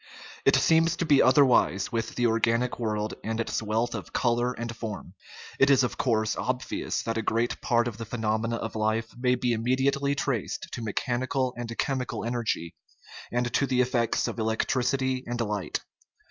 It seems to be otherwise with the organic world and its wealth of color and form. It is, of course, obvious that a great part of the phenomena of life may be im 254 THE UNITY OF NATURE mediately traced to mechanical and chemical energy, and to the effects of electricity and light.